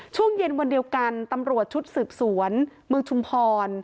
ช่วงเย็นวันเดียวกันตำรวจชุดสืบสวนเมืองชุมพร